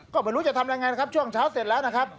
ก็ไม่รู้จะทำยังไงนะครับช่วงเช้าเสร็จแล้วนะครับ